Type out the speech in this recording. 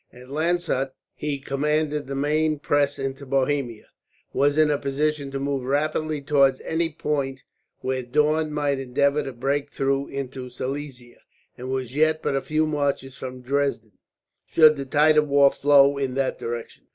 At Landshut he commanded the main pass into Bohemia, was in a position to move rapidly towards any point where Daun might endeavour to break through into Silesia, and was yet but a few marches from Dresden, should the tide of war flow in that direction.